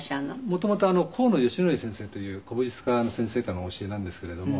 元々甲野善紀先生という古武術家の先生からの教えなんですけれども。